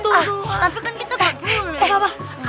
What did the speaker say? tapi kan kita gabung ya